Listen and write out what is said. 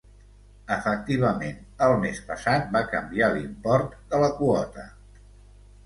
Efectivament, el mes passat va canviar l'import de la quota.